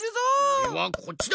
おれはこっちだ！